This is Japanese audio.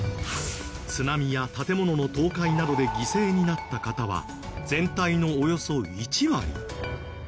津波や建物の倒壊などで犠牲になった方は全体のおよそ１割。